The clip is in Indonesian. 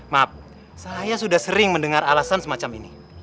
maaf saya sudah sering mendengar alasan semacam ini